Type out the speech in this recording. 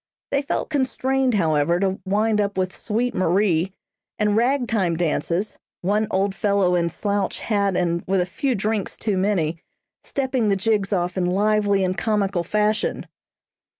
They felt constrained, however, to wind up with "Sweet Marie," and rag time dances, one old fellow in slouch hat and with a few drinks too many, stepping the jigs off in lively and comical fashion.